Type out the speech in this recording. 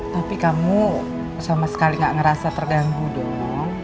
tapi kamu sama sekali gak ngerasa terganggu dong